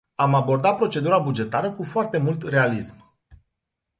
Am abordat procedura bugetară cu foarte mult realism.